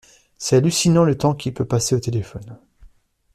C'est hallucinant le temps qu'il peut passer au téléphone.